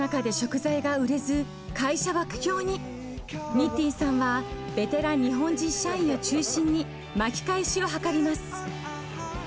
ニッティンさんはベテラン日本人社員を中心に巻き返しを図ります。